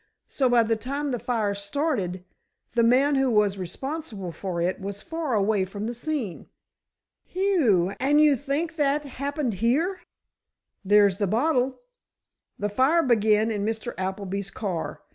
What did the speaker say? So, by the time the fire started, the man who was responsible for it was far away from the scene." "Whew! And you think that happened here?" "There's the bottle. The fire began in Mr. Appleby's car.